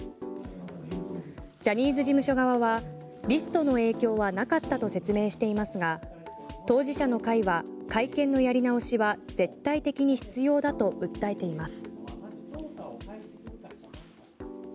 ジャニーズ事務所側はリストの影響はなかったと説明していますが当事者の会は会見のやり直しは絶対的に必要だと訴えています。